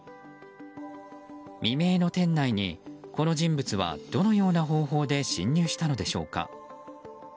未明の店内にこの人物は、どのような方法で侵入したのでしょうか。